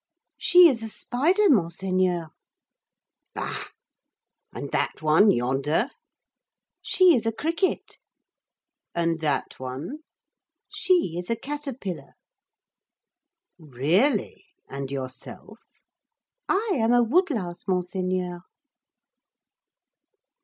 "She is a spider, Monseigneur." "Bah! And that one yonder?" "She is a cricket." "And that one?" "She is a caterpillar." "Really! and yourself?" "I am a wood louse, Monseigneur."